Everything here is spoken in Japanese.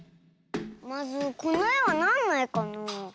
まずこのえはなんのえかなあ。